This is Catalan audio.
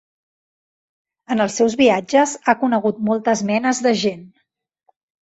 En els seus viatges ha conegut moltes menes de gent.